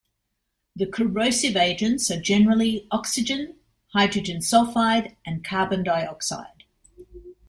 The corrosive agents are generally oxygen, hydrogen sulfide, and carbon dioxide.